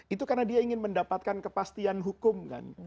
itu karena dia ingin mendapatkan kepastian hukum kan